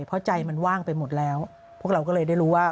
เพราะใจมันว่างไปหมดแล้วพวกเราก็เลยได้รู้ว่า